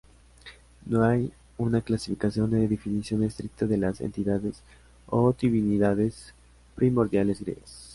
No hay una clasificación o definición estricta de las entidades o divinidades primordiales griegas.